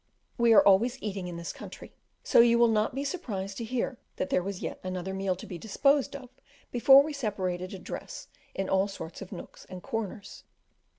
We are always eating in this country, so you will not be surprised to hear that there was yet another meal to be disposed of before we separated to dress in all sorts of nooks and corners.